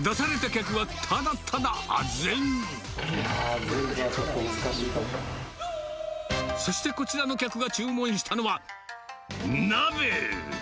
いやー、全部はちょっと難しそして、こちらの客が注文したのは、鍋。